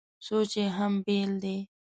سوچ یې هم بېل دی.